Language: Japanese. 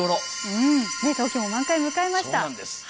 東京も満開を迎えました。